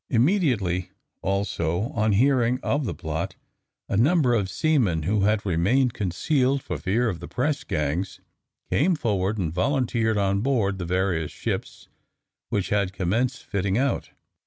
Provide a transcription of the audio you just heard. Immediately also on hearing of the plot, a number of seamen who had remained concealed for fear of the press gangs, came forward and volunteered on board the various ships which had commenced fitting out.